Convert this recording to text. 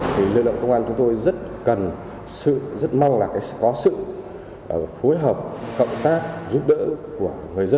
thì lực lượng công an chúng tôi rất cần sự rất mong là có sự phối hợp cộng tác giúp đỡ của người dân